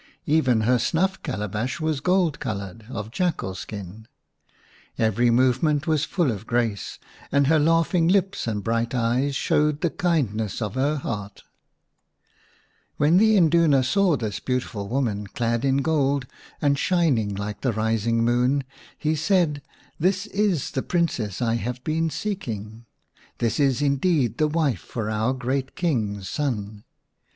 Even her snuff calabash was gold coloured, of jackal skin,^ Every movement was full of grace, and her laughing lips and bright eyes showed the kindness of her hear^X When the Induna saw this beautiful woman clad in gold and shining like the rising moon, he said, " This is the Princess I have been seeking ! This is indeed the wife for our great King's son